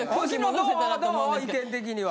どう意見的には？